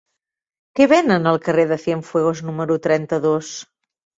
Què venen al carrer de Cienfuegos número trenta-dos?